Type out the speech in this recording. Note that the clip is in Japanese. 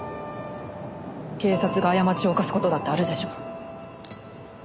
警察が過ちを犯す事だってあるでしょう？